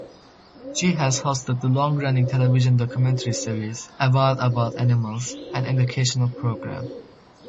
She has hosted the long-running television documentary series "Wild About Animals", an educational program.